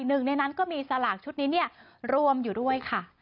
หนึ่งในนั้นก็มีสลากชุดนี้เนี่ยรวมอยู่ด้วยค่ะ